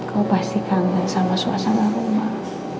aku pasti kangen sama suasana rumah